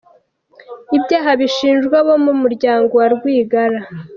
Ibyaha bishinjwa abo mu muryango wa Rwigara